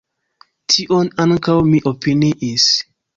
Tion ankaŭ mi opiniis.